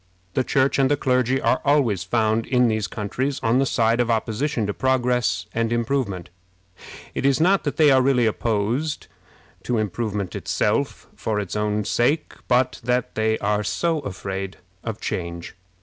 The Church and the clergy are always found in these countries on the side of opposition to progress and improvement. It is not that they are really opposed to improvement itself for its own sake, but that they are so afraid of change.